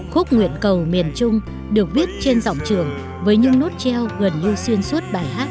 khúc nguyện cầu miền trung được viết trên giọng trường với những nốt treo gần như xuyên suốt bài hát